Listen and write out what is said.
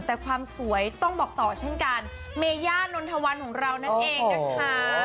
แต่ความสวยต้องบอกต่อเช่นกันเมย่านนทวันของเรานั่นเองนะคะ